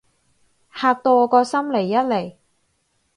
嚇到我個心離一離